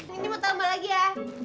minimu tambah lagi ya